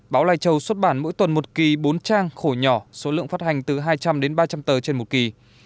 báo lai châu xuất bản mỗi tuần một kỳ bốn trang khổ nhỏ số lượng phát hành từ hai trăm linh đến ba trăm linh tờ trên một kỳ